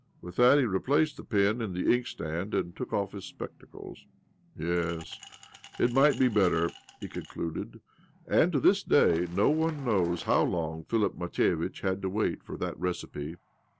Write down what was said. With that he replaced the pen in the ink stand, and took off his spectacles. "Yes, it mi^ht be better," he concluded. And to this day nO' one knows how long Philip Matveitch had to wait for that recipe.